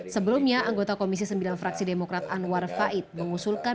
sebelumnya anggota komisi sembilan fraksi demokrat anwar faid mengusulkan